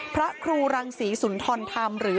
พระครูรังศรีสุนทรธรรมหรือ